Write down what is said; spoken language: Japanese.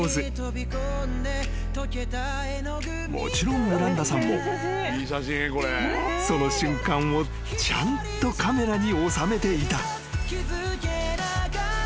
［もちろんミランダさんもその瞬間をちゃんとカメラに収めていた］